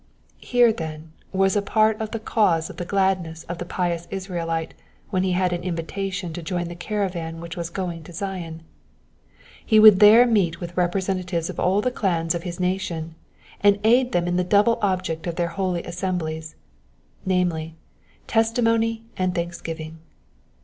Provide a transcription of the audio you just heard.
Here, then, was part of the cause of the gladness of the pious Israelite when he had an invitation to join the caravan which was going to Zion : he would there meet with representatives of all the clans of his nation, and aid them in the double object of their holy assemblies, namely, testimony and thanksgiving.